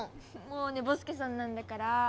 もう寝ぼすけさんなんだから。